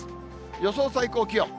予想最高気温。